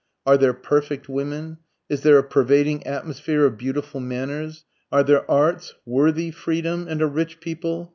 Are there perfect women? Is there a pervading atmosphere of beautiful manners? Are there arts worthy freedom and a rich people?